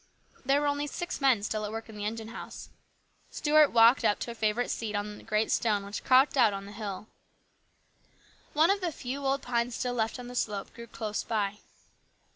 There were only six men still at work in the engine house. Stuart walked up to a favourite seat on a great stone which cropped out on the hill. One of the few old pines still left on the slope grew close by.